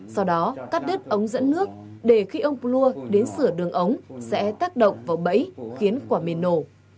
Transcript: sau đó cắt đứt ống dẫn nước để khi ông plua đến sửa đường ống sẽ tác động vào bẫy khiến quả mìn nổ